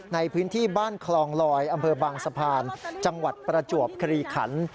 ในพื้นที่บ้านคลองลอยอำเภอบางสะพานจังหวัดประจวบคลีขัน